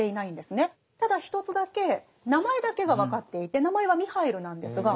ただ一つだけ名前だけが分かっていて名前はミハイルなんですが。